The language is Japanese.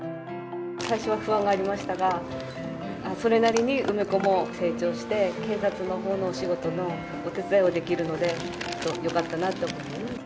最初は不安がありましたが、それなりに梅子も成長して、警察のほうのお仕事のお手伝いもできるので、よかったなと。